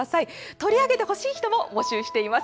取り上げてほしい人も募集しています。